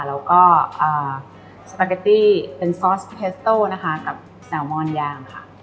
แล้วก็สปาเกตตี้เป็นซอสเพสโต้นะคะกับแนวมอนยางค่ะ